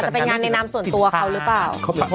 อาจจะไปงานแนนำส่วนตัวเขาหรือเปล่า